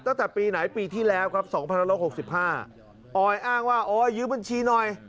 ตั้งแต่ปีไหนปีที่แล้วครับ๒๑๖๕ออยอ้างว่าโอ๊ยยืมบัญชีหน่อย